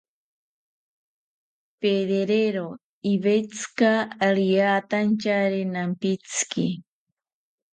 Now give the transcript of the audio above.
Pedero iwetzika riatantyari nampitziki